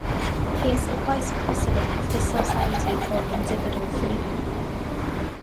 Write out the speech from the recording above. He is a vice-president of the Society for Individual Freedom.